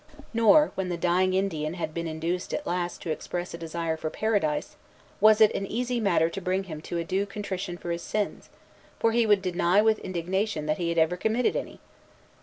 Nor, when the dying Indian had been induced at last to express a desire for Paradise, was it an easy matter to bring him to a due contrition for his sins; for he would deny with indignation that he had ever committed any.